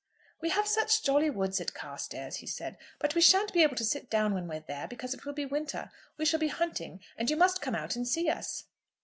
"We have such jolly woods at Carstairs," he said; "but we shan't be able to sit down when we're there, because it will be winter. We shall be hunting, and you must come out and see us."